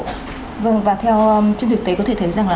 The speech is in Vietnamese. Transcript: vâng và theo chương trình thế có thể thấy rằng là